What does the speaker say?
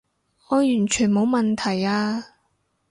我完全冇問題啊